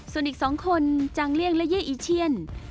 ส่วนอีก๒คนจังเลี่ยงและเย่อีเชียน